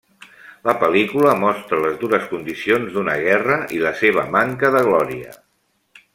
La pel·lícula mostra les dures condicions d'una guerra i la seva manca de glòria.